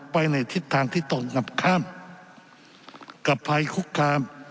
ไปในทิศทางที่ตรงกับข้ามกับภัยคุกคาม